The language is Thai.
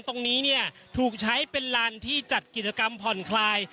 ตรงนี้เนี่ยถูกใช้เป็นลานที่จัดกิจกรรมผ่อนคลาย